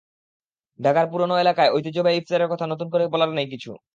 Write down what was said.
ঢাকার পুরোনো এলাকার ঐতিহ্যবাহী ইফতারের কথা নতুন করে বলার নেই কিছু।